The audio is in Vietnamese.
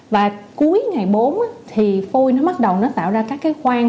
và cuối ngày bốn phôi bào bắt đầu tạo ra các khoang